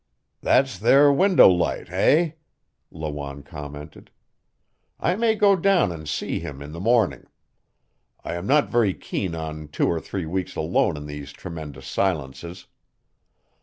"That's their window light, eh?" Lawanne commented. "I may go down and see him in the morning. I am not very keen on two or three weeks alone in these tremendous silences.